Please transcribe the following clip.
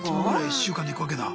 １週間でいくわけだ。